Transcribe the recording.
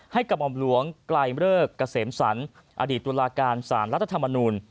ให้กับหม่อมหลวงกลายเลิกเกษมศรรย์อดีตตุลาการศาลรัฐธรรมนุน